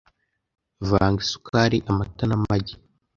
Vanga isukari, amata n’amagi